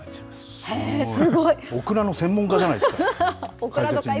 オクラの専門家じゃないですか。